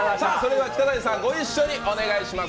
きただにさん、ご一緒にお願いします。